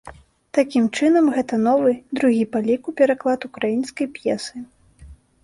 Такім чынам, гэта новы, другі па ліку пераклад украінскай п'есы.